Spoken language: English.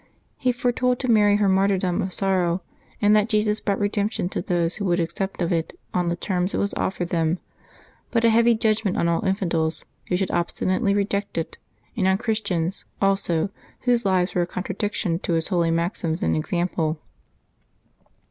He foretold to Mary her martyrdom of sorrow, and that Jesus brought redemption to those who would accept of it on the terms it was offered them ; but a heavy judgment on all infidels who should obstinately reject it, and on Chris tians, also, whose lives were a contradiction to His holy maxims and example.